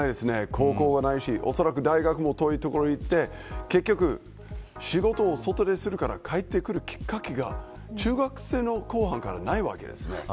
高校はないし大学も遠いところに行って結局仕事を外でするから帰ってくるきっかけが中学生の後半から、ないんです。